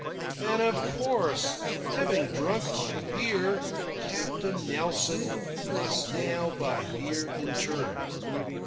And of course, having drunk my beer, Captain Nelson must now buy beer in turn.